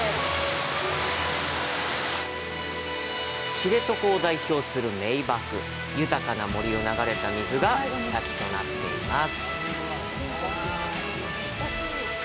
知床を代表する名瀑豊かな森を流れた水が滝となっています。